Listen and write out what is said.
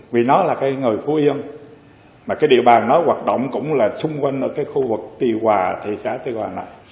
vì nó là cái người phố dân mà cái địa bàn nó hoạt động cũng là xung quanh ở cái khu vực tì hòa thị xã tì hòa này